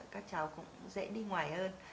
các cháu cũng dễ đi ngoài hơn